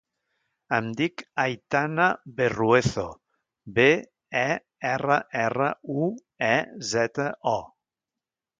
Em dic Aitana Berruezo: be, e, erra, erra, u, e, zeta, o.